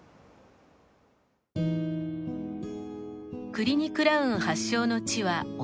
クリニクラウン発祥の地はオランダ。